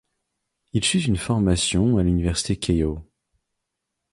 Il suit une formation à l'université Keiō.